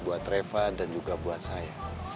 buat reva dan juga buat saya